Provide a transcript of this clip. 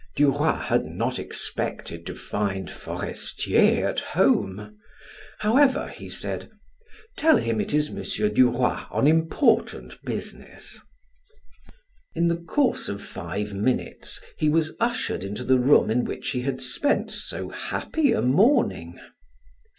Duroy had not expected to find Forestier at home. However he said: "Tell him it is M. Duroy on important business." In the course of five minutes he was ushered into the room in which he had spent so happy a morning.